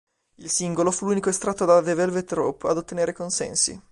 Il singolo fu l'unico estratto da "The Velvet Rope" ad ottenere consensi.